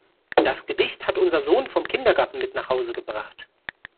Das Gedicht hat unser Sohn vom Kindergarten mit nach Hause gebracht.